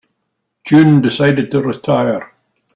June decided to retire.